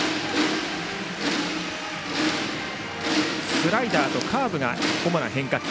スライダーとカーブがここまでの変化球。